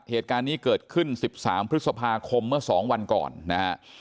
เหตุการณ์นี้เกิดขึ้น๑๓พฤษภาคมเมื่อ๒วันก่อนนะฮะ